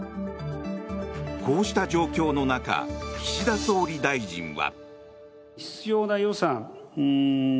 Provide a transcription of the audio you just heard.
こうした状況の中岸田総理大臣は。